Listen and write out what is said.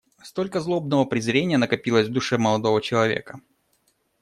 Cтолько злобного презрения накопилось в душе молодого человека.